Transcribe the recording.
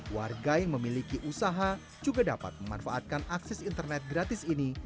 warga yang memiliki usaha juga dapat memanfaatkan akses internet gratis ini